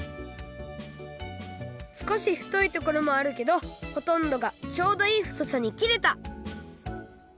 すこしふといところもあるけどほとんどがちょうどいいふとさにきれた！